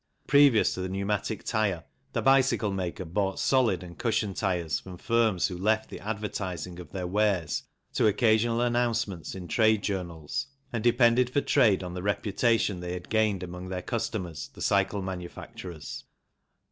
Previous to the pneumatic tyre the bicycle maker bought solid and cushion tyres from firms who left the advertising of their wares to occasional announcements in trade journals and depended for trade on the reputation they had gained among their customers the cycle manu facturers.